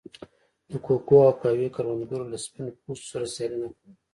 د کوکو او قهوې کروندګرو له سپین پوستو سره سیالي نه کوله.